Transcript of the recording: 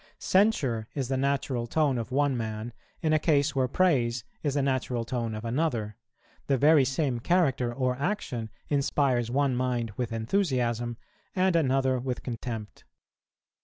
Censure is the natural tone of one man in a case where praise is the natural tone of another; the very same character or action inspires one mind with enthusiasm, and another with contempt.